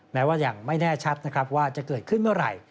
แม้ว่ายังไม่แน่ชัดนะครับว่าจะเกิดขึ้นเมื่อไหร่